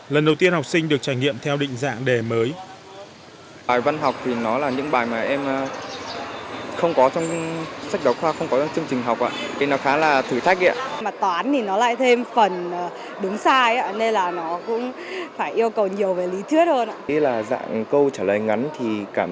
lần đầu tiên học sinh được trải nghiệm theo định dạng đề mới